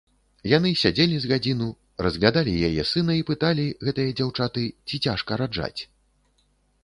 Яны сядзелі з гадзіну, разглядалі яе сына і пыталі, гэтыя дзяўчаты, ці цяжка раджаць.